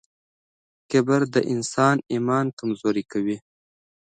کبر د انسان ایمان کمزوری کوي.